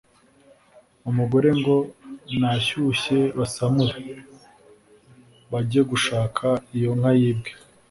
umugore ngo nashyushye basamure, bajye gushaka iyo nka yibwe